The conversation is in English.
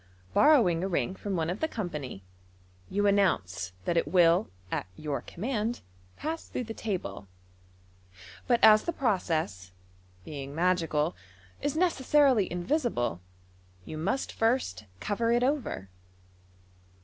Borrowing a ring from one of the company, you announce that it will at your command pass through the table ; but as the process, being magical, is necessarily invisible, you must first cover it over.